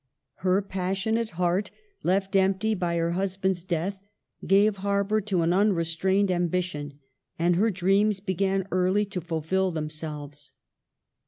Her passionate heart, left empty by her husband's death, gave harbor to an unrestrained ambition, and her dreams began early to fulfil themselves.